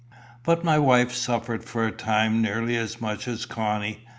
But my wife suffered for a time nearly as much as Connie.